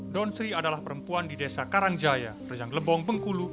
don sri adalah perempuan di desa karangjaya perjang lebong bengkulu